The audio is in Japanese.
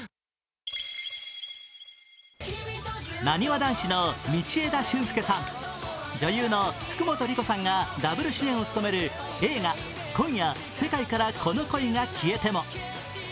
なにわ男子の道枝駿佑さん女優の福本莉子さんがダブル主演を務める映画「今夜、世界からこの恋が消えても」。